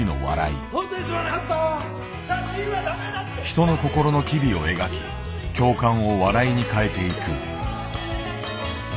人の心の機微を描き共感を笑いに変えていく。